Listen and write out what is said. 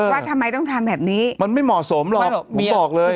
ว่าทำไมต้องทำแบบนี้มันไม่เหมาะสมหรอกผมบอกเลย